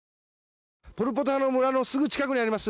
ポル・ポト村のすぐ近くにあります